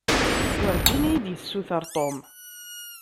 Werǧin iyi-d-issuter Tom.